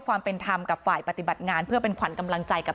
ความเป็นธรรมกับฝ่ายปฏิบัติงานเพื่อเป็นขวัญกำลังใจกับ